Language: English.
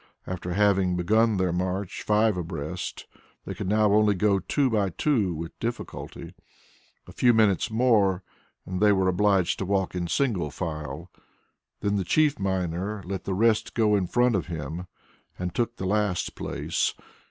After having begun their march five abreast, they could now only go two by two with difficulty. A few minutes more, and they were obliged to walk in single file. Then the chief miner let the rest go in front of him and took the last place.